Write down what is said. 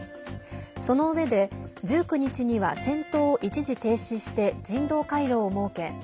そのうえで１９日には戦闘を一時停止して人道回廊を設け